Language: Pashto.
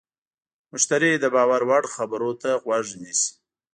مشتری د باور وړ خبرو ته غوږ نیسي.